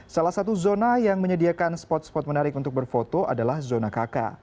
salah satu zona yang menyediakan spot spot menarik untuk berfoto adalah zona kk